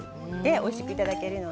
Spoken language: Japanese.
おいしくいただけます。